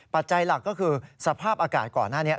ปัจจัยหลักก็คือสภาพอากาศก่อนหน้านี้